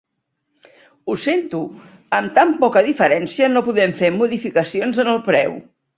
Ho sento, amb tan poca diferència no podem fer modificacions en el preu.